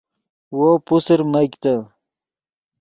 وو پوسر میگتے